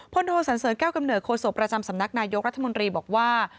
โทสันเสริญแก้วกำเนิดโศกประจำสำนักนายกรัฐมนตรีบอกว่า